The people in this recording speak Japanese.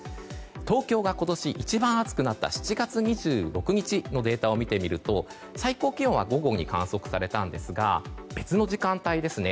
東京が今年一番暑くなった７月２６日のデータを見てみると、最高気温は午後に観測されたんですが別の時間帯ですね。